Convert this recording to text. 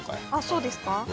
そうですか。